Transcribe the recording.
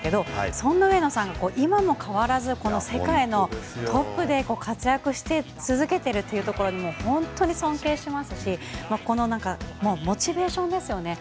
そんな上野さんを今も変わらずこの世界のトップでご活躍し続けてるっていうところにも本当に尊敬しますしモチベーションですよね。